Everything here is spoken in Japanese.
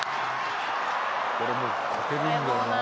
「これも当てるんだよな」